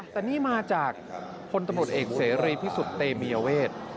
แต่นี่มาจากพลตำรวจเอกเสรีพิสุทธิ์เตมียเวท